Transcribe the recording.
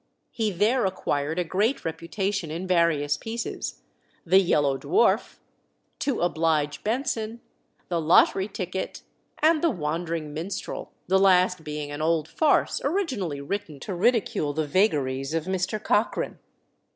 He there acquired a great reputation in various pieces "The Yellow Dwarf," "To oblige Benson," "The Lottery Ticket," and "The Wandering Minstrel," the last being an old farce originally written to ridicule the vagaries of Mr. Cochrane.